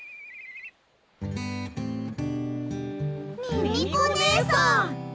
ミミコねえさん！